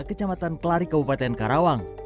kecamatan kelari kabupaten karawang